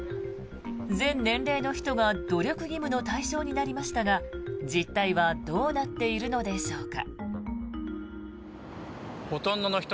全年齢の人が努力義務の対象になりましたが実態はどうなっているのでしょうか。